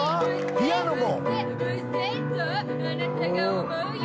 ピアノも。